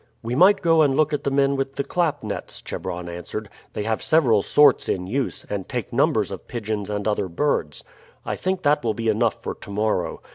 "We might go and look at the men with the clap nets," Chebron answered. "They have several sorts in use, and take numbers of pigeons and other birds. I think that will be enough for to morrow.